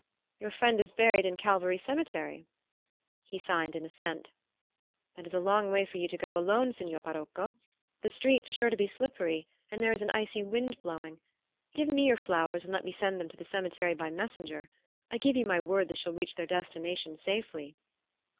"Your friend is buried in Calvary cemetery?" He signed an assent. "That is a long way for you to go alone, signor parocco. The streets are sure to be slippery and there is an icy wind blowing. Give me your flowers and let me send them to the cemetery by a messenger. I give you my word they shall reach their destination safely."